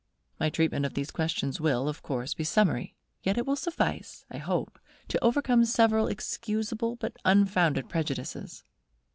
My treatment of these questions will of course be summary; yet it will suffice, I hope, to overcome several excusable but unfounded prejudices.